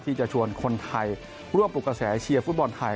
ที่จะชวนคนไทยร่วมปลุกกระแสเชียร์ฟุตบอลไทย